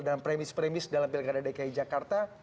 dan premis premis dalam pilkada dki jakarta